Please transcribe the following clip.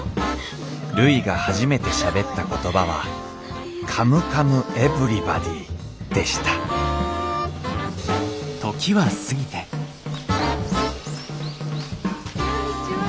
るいが初めてしゃべった言葉は「カムカムエヴリバディ」でしたこんにちは。